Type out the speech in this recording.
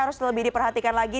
harus lebih diperhatikan lagi